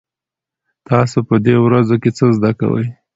تاسو په دې ورځو کې څه زده کوئ؟